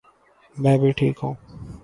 میں بھی ٹھیک ہوں